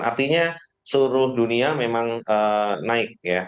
artinya seluruh dunia memang naik ya